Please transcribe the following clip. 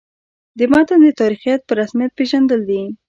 د متن د تاریخیت په رسمیت پېژندل دي.